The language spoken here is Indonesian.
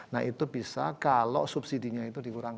nah itu bisa kalau subsidinya itu dikurangi